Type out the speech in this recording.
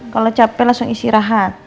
kalau capek langsung istirahat